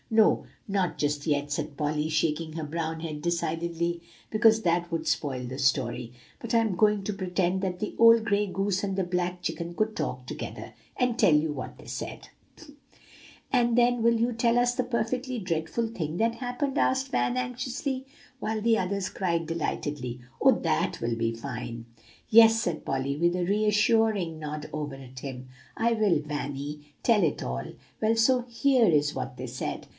"No, not just yet," said Polly, shaking her brown head decidedly; "because that would spoil the story. But I'm going to pretend that the old gray goose and the black chicken could talk together, and tell you what they said." [Illustration: The old gray goose holds a conversation with the black chicken.] "And then will you tell us the perfectly dreadful thing that happened?" asked Van anxiously; while the others cried delightedly, "Oh, that will be fine!" "Yes," said Polly, with a reassuring nod over at him, "I will Vanny, tell it all. Well, so here is what they said.